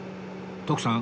徳さん